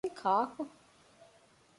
ދެން ކާކު؟